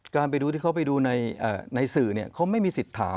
การไปดูที่เขาไปดูในสื่อเขาไม่มีสิทธิ์ถาม